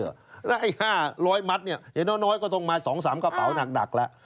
แล้วไอ้๕๐๐มัดเนี่ยเดี๋ยวน้อยก็ต้องมา๒๓กระเป๋านักดักแล้ว